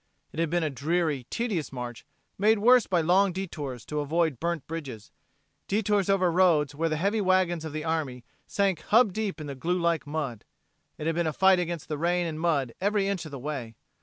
It had been a dreary, tedious march, made worse by long detours to avoid burnt bridges, detours over roads where the heavy wagons of the army sank hub deep in the glue like mud. It had been a fight against the rain and mud every inch of the way.